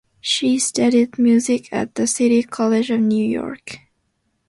She studied music at The City College of New York.